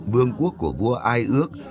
vương quốc của vua ai ước